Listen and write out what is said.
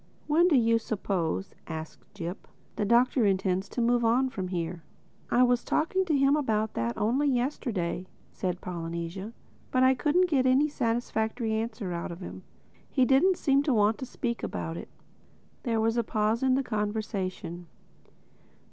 "When do you suppose," asked Jip, "the Doctor intends to move on from here?" "I was talking to him about that only yesterday," said Polynesia. "But I couldn't get any satisfactory answer out of him. He didn't seem to want to speak about it." There was a pause in the conversation.